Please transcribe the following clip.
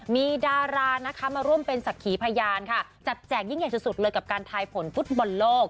มีดารานะคะมาร่วมเป็นศักดิ์ขีพยานค่ะจับแจกยิ่งใหญ่สุดเลยกับการทายผลฟุตบอลโลก